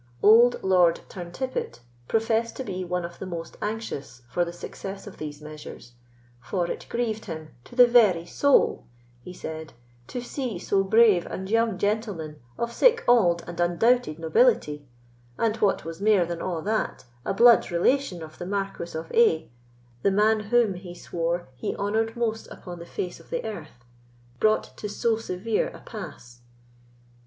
Old Lord Turntippet professed to be one of the most anxious for the success of these measures; for "it grieved him to the very saul," he said, "to see so brave a young gentleman, of sic auld and undoubted nobility, and, what was mair than a' that, a bluid relation of the Marquis of A——, the man whom," he swore, "he honoured most upon the face of the earth, brought to so severe a pass.